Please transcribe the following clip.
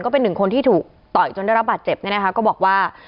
เป็นหนึ่งคนที่ถูกต่อยจนได้รับบาดเจ็บเนี่ยนะคะก็บอกว่า